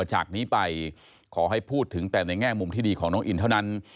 จากนี้ไปขอให้พูดถึงแต่ในแง่มุมที่ดีของน้องอินเท่านั้น